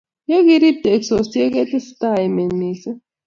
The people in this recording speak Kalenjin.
Ye kirib teksosiek, kotesetai emet misisng